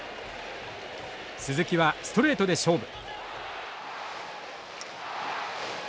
鈴木はストレートで勝負。